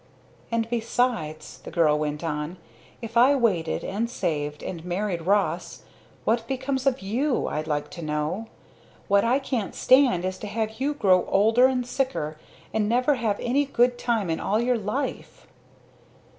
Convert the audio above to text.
"And besides," the girl went on "If I waited and saved and married Ross what becomes of you, I'd like to know? What I can't stand is to have you grow older and sicker and never have any good time in all your life!"